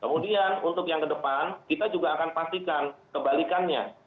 kemudian untuk yang kedepan kita juga akan pastikan kebalikannya